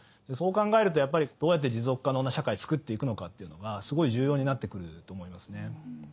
そう考えるとやっぱりどうやって持続可能な社会をつくっていくのかっていうのがすごい重要になってくると思いますね。